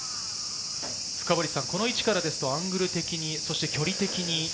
この位置からですとアングル的に、距離的に。